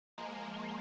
mbak andien dimarahi